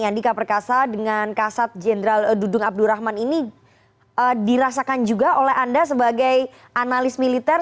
dan dika perkasa dengan kasat jenderal dudung abdurrahman ini dirasakan juga oleh anda sebagai analis militer